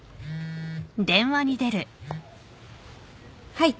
はい。